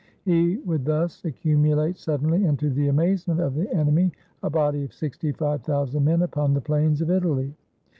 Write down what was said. He would thus accumulate suddenly, and to the amazement of the enemy, a body of sixty five thousand men upon the plains of Italy.